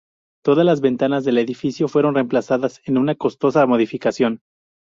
Todas las ventanas del edificio fueron reemplazadas en una costosa modificación.